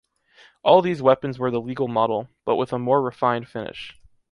All these weapons were the legal model, but with a more refined finish.